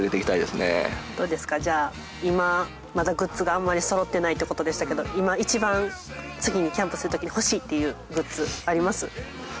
どうですかじゃあ今まだグッズがあんまりそろってないってことでしたが今いちばん次にキャンプするときに欲しいっていうグッズあります？